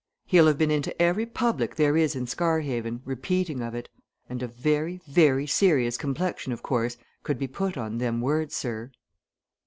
He'll have been in to every public there is in Scarhaven, repeating of it. And a very, very serious complexion, of course, could be put on them words, sir."